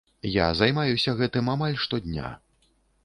Я займаюся гэтым амаль штодня.